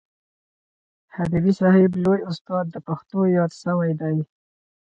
حبیبي صاحب لوی استاد د پښتو یاد سوی دئ.